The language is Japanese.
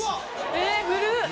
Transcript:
えっ古っ！